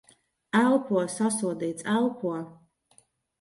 Elpo. Sasodīts. Elpo!